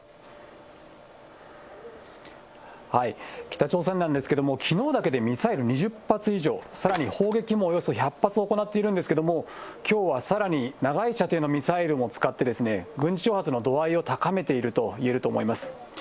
北朝鮮なんですけども、きのうだけでミサイル２０発以上、さらに砲撃もおよそ１００発行っているんですけれども、きょうはさらに長い射程のミサイルも使って、軍事挑発の度合いを高めていると言えると思います。